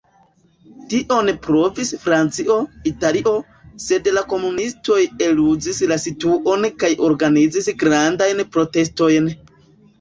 Tion provis Francio, Italio, sed la komunistoj eluzis la situon kaj organizis grandajn protestojn.